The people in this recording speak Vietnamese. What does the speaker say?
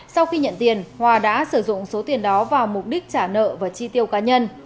sau khi nhận tiền hòa đã sử dụng số tiền đó vào mục đích trả nợ và chi tiêu cá nhân